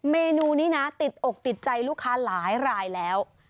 เมนูนี้นะติดอกติดใจลูกค้าหลายรายแล้ว